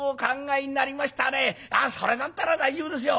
それだったら大丈夫ですよ。